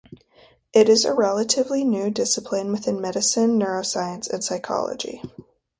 It is a relatively new discipline within medicine, neuroscience, and psychology.